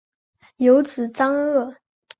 有子章碣。